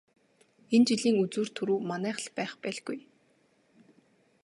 Энэ жилийн үзүүр түрүү манайх л байх байлгүй.